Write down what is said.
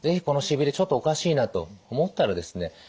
このしびれちょっとおかしいなと思ったらですね